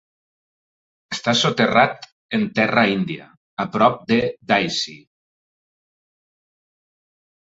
Està soterrat en terra índia, a prop de Daisy.